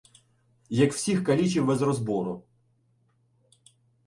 Як всіх калічив без розбору